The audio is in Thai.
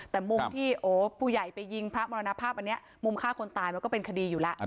แต่มุมที่โอ้ผู้ใหญ่ไปยิงพระมรณภาพอันนี้มุมฆ่าคนตายมันก็เป็นคดีอยู่แล้ว